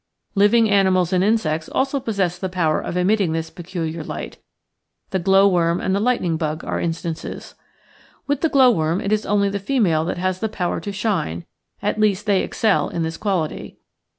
Living animals and insects also possess the power of emitting this peculiar light — the glow worm and the lightning bug are instances. With the glow worm it is only the female that has the power to shine, at least they excel in this quality.